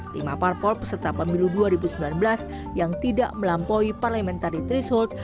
lima partpol peserta pemilu dua ribu sembilan belas yang tidak melampaui parlamentari trish holt